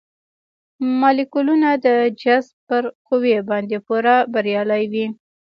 مالیکولونه د جذب پر قوې باندې پوره بریالي وي.